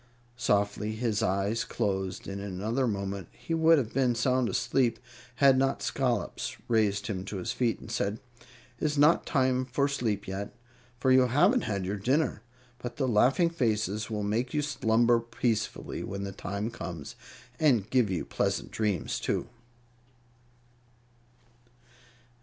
Softly his eyes closed, and in another moment he would have been sound asleep had not Scollops raised him to his feet and said: "It is not time for sleep yet, for you haven't had your dinner. But the laughing faces will make you slumber peacefully when the time comes, and give you pleasant dreams, too."